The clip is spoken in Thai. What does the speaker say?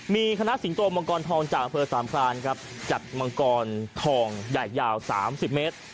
มีคณะสิงโตมังกรทองจากอำเภอสามพรานครับจัดมังกรทองใหญ่ยาว๓๐เมตร